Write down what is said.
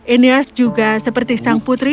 inias juga seperti sang putri cukup gemuk